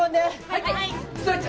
はい！